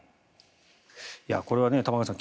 これは玉川さん